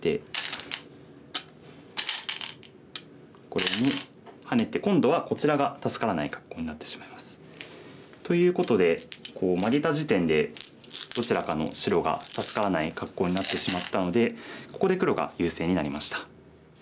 これにハネて今度はこちらが助からない格好になってしまいます。ということでマゲた時点でどちらかの白が助からない格好になってしまったのでここで黒が優勢になりました。